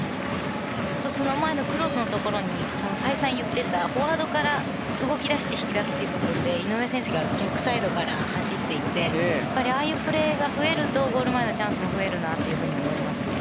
その前のクロスのところに再三言っていたフォワードから動き出して引き出すという部分で井上選手が逆サイドから走っていってああいうプレーが増えるとゴール前のチャンスも増えるなと思いますね。